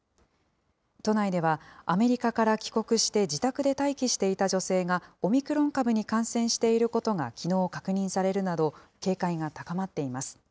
都内ではアメリカから帰国して自宅で待機していた女性がオミクロン株に感染していることがきのう確認されるなど、警戒が高まっています。